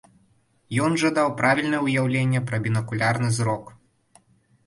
Ён жа даў правільнае ўяўленне пра бінакулярны зрок.